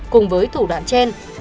cùng với thủ đoạn tương tự